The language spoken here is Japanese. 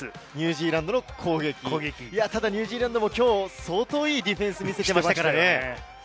ニュージーランドもきょう相当いいディフェンスを見せていましたからね。